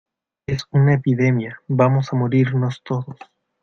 es una epidemia, vamos a morirnos todos.